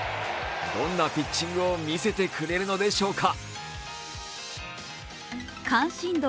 どんなピッチングを見せてくれるのでしょうか。